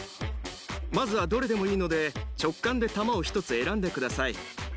まずはどれでもいいので直観で球を一つ選んでください。